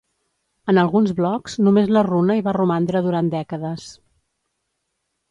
En alguns blocs, només la runa hi va romandre durant dècades.